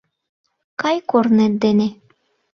Кай корнет дене!